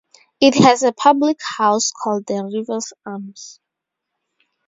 It has a public house called the Rivers Arms.